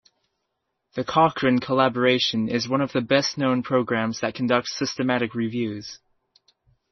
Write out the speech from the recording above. The Cochrane Collaboration is one of the best-known programs that conducts systematic reviews.